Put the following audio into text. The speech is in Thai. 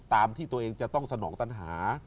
ตามที่ตัวเองจะต้องสนองตัญหา